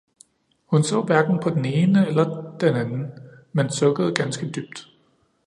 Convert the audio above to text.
hun så hverken på den ene eller den anden, men sukkede ganske dybt.